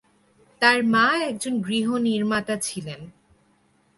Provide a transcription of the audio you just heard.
তার মা একজন গৃহ-নির্মাতা ছিলেন।